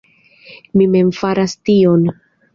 Mi mem faras tion.